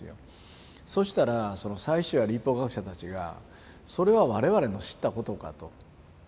そしたらその祭司長や律法学者たちがそれは我々の知ったことかと。